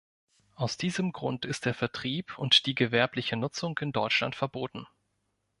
Aus diesem Grund ist der Vertrieb und die gewerbliche Nutzung in Deutschland verboten.